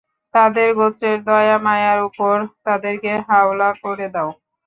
তাদের গোত্রের দয়া-মায়ার উপর তাদেরকে হাওলা করে দাও।